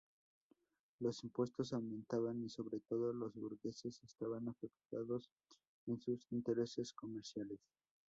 Los impuestos aumentaban y sobre todo, los burgueses estaban afectados en sus intereses comerciales.